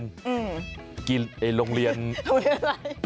โรงเรียนโรงเรียนอะไร